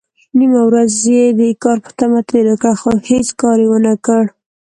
نيمه ورځ يې د کار په تمه تېره کړه، خو هيڅ کار يې ونکړ.